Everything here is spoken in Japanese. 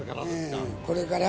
これから。